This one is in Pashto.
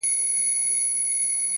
خاموش سکوت ذهن ژوروي.!